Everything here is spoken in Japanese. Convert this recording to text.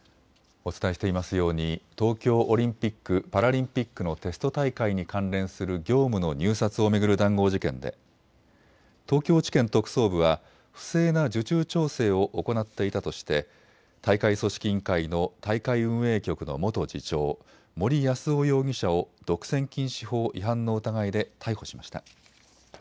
お伝えしていますように東京オリンピック・パラリンピックのテスト大会に関連する業務の入札を巡る談合事件で東京地検特捜部は不正な受注調整を行っていたとして大会組織委員会の大会運営局の元次長、森泰夫容疑者を独占禁止法違反の疑いで逮捕しました。